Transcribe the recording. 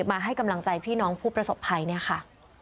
มาให้กำลังใจพี่น้องผู้ประสบภัยเนี่ยค่ะ